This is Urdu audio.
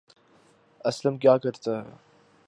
اسلم کیا کرتا ہے